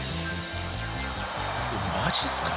マジっすか？